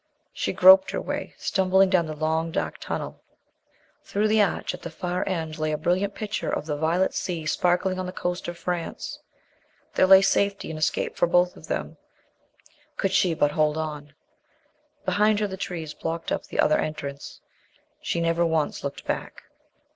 She groped her way, stumbling down the long dark tunnel. Through the arch at the far end lay a brilliant picture of the violet sea sparkling on the coast of France. There lay safety and escape for both of them, could she but hold on. Behind her the trees blocked up the other entrance. She never once looked back.